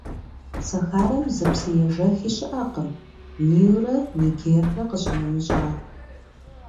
Сахарэм зы псыежэхи щыӏэкъым, Нилрэ Нигеррэ къищынэмыщӏа.